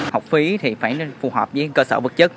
học phí thì phải phù hợp với cơ sở vật chất